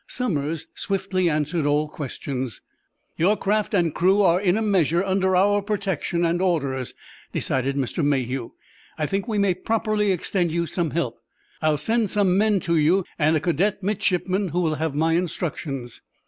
Somers swiftly answered all questions. "Your craft and crew are in a measure under our protection and orders," decided Mr. Mayhew. "I think we may properly extend you some help. I will send some men to you, and a cadet midshipman who will have my instructions."